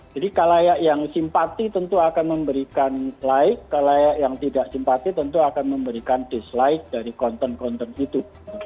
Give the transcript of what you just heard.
jadi kalayak yang simpati tentu akan memberikan like kalayak yang tidak simpati tentu akan memberikan dislike dari konten konten itu